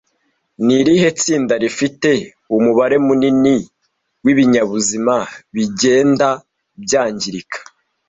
Ni irihe tsinda rifite umubare munini w’ibinyabuzima bigenda byangirika